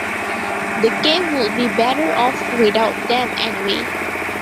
The game would be better off without them anyway.